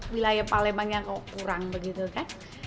wilayah palembang yang kurang begitu kan